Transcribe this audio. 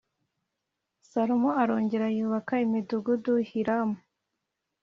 Salomo arongera yubaka imidugudu Hiramu